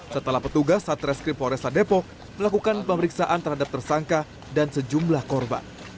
setelah petugas satreskrim polresa depok melakukan pemeriksaan terhadap tersangka dan sejumlah korban